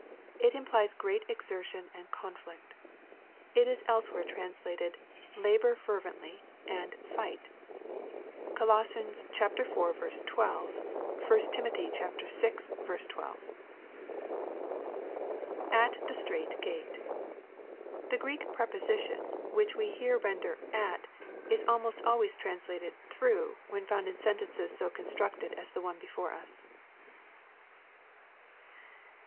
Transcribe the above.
It implies great exertion and conflict. It is elsewhere translated, "labor fer vently," and " fight." (Coloss. iv. 12. 1 Tim. vi. 12.) [At the strait gate.] The Greek preposition which we here ren der " at," is almost always translated " through," when found in sentences so constructed as the one before us.